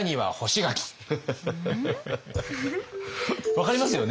分かりますよね。